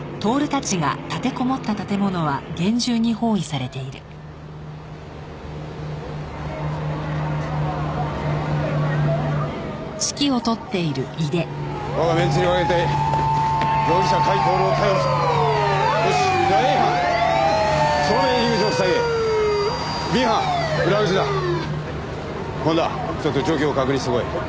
ちょっと状況を確認してこい。